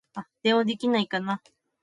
電話できないかな